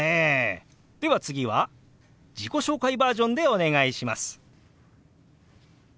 では次は自己紹介バージョンでお願いします。